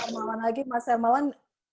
saya mau lagi mas hermawan